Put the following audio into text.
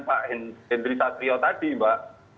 pak hendri satrio tadi mbak